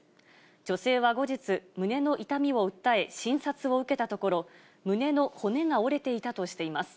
女性は後日、胸の痛みを訴え、診察を受けたところ、胸の骨が折れていたとしています。